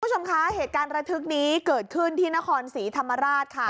คุณผู้ชมคะเหตุการณ์ระทึกนี้เกิดขึ้นที่นครศรีธรรมราชค่ะ